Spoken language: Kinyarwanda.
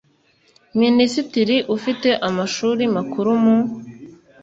Minisitiri ufite Amashuri Makuru mu